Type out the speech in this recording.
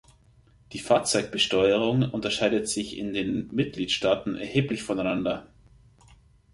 Die Fahrzeugbesteuerung unterscheidet sich in den Mitgliedstaaten erheblich voneinander.